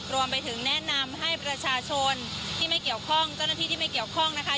รวมไปถึงแนะนำให้ประชาชนที่ไม่เกี่ยวข้องเจ้าหน้าที่ที่ไม่เกี่ยวข้องนะคะ